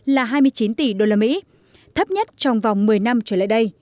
là hai mươi chín tỷ usd thấp nhất trong vòng một mươi năm trở lại đây